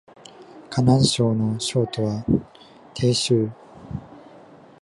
河南省の省都は鄭州